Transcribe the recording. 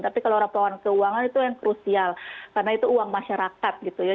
tapi kalau laporan keuangan itu yang krusial karena itu uang masyarakat gitu ya